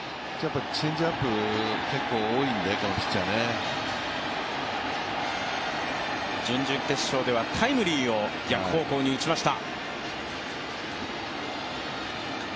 チェンジアップ、結構多いので、このピッチャーは。準々決勝ではタイムリーを逆方向に打ちました。